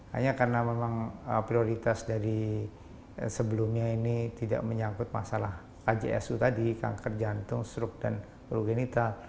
hanya karena memang prioritas dari sebelumnya ini tidak menyangkut masalah kjsu tadi kanker jantung stroke dan progenital